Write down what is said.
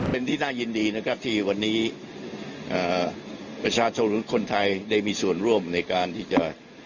เป็นที่น่ายินดีนะครับที่วันนี้ประชาชนหรือคนไทยได้มีส่วนร่วมในการที่จะ